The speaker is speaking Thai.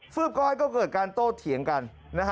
ก้อยก็เกิดการโต้เถียงกัน